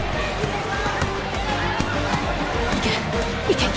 いけ！